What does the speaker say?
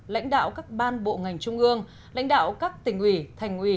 lãnh đạo các ban bộ ngành trung ương lãnh đạo các tỉnh ủy thành ủy